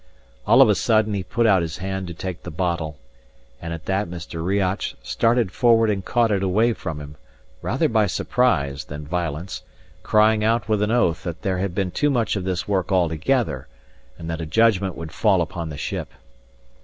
All of a sudden he put out his hand to take the bottle; and at that Mr. Riach started forward and caught it away from him, rather by surprise than violence, crying out, with an oath, that there had been too much of this work altogether, and that a judgment would fall upon the ship.